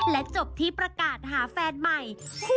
และจบที่ประกาศหาแฟนใหม่